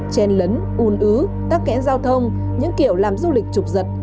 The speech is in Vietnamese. chen lấn un ứ tắc kẽn giao thông những kiểu làm du lịch trục giật